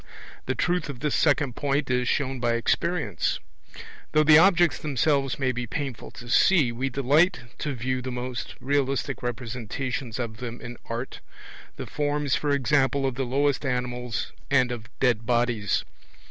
The truth of this second point is shown by experience: though the objects themselves may be painful to see, we delight to view the most realistic representations of them in art, the forms for example of the lowest animals and of dead bodies.